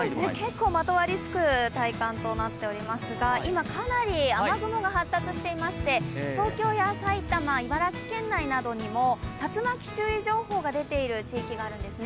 結構まとわりつく体感となっておりますが、今、かなり雨雲が発達していまして、東京や埼玉、茨城県内などにも竜巻注意情報が出ている地域があるんですね。